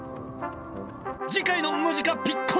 次回の「ムジカ・ピッコリーノ」は！